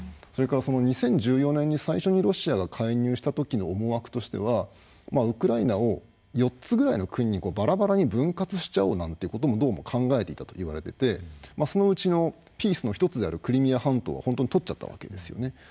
それから２０１４年に最初にロシアが介入したときの思惑としてはウクライナを４つぐらいの国にバラバラに分割しちゃおうなんてこともどうも考えていたといわれててまあそのうちのピースの一つであるクリミア半島は本当にとっちゃったわけですよね。